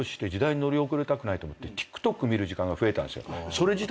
それ自体